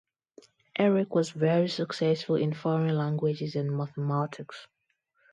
Eric was very successful in foreign languages and mathematics.